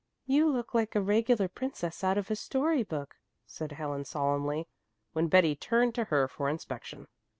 "You look like a regular princess out of a story book," said Helen solemnly, when Betty turned to her for inspection.